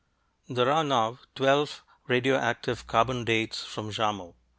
There are now twelve radioactive carbon "dates" from Jarmo.